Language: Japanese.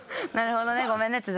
なるほどね。